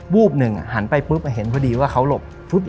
วูบหนึ่งหันไปเห็นเทาะดีว่าเขาหลบ